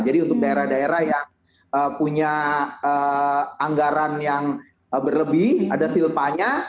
jadi untuk daerah daerah yang punya anggaran yang berlebih ada silpanya